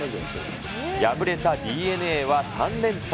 敗れたＤｅＮＡは３連敗。